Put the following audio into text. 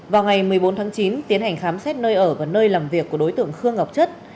vào ngày một mươi bốn tháng chín tiến hành khám xét nơi ở và nơi làm việc của đối tượng khương ngọc chất